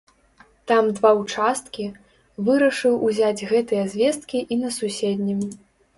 Там два ўчасткі, вырашыў узяць гэтыя звесткі і на суседнім.